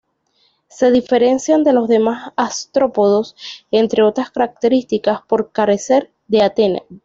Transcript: Se diferencian de los demás artrópodos, entre otras características, por carecer de antenas.